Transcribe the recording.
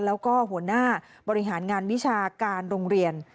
แล้วก็หัวหน้าบริหารงานวิชาการโรงเรียน